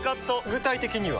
具体的には？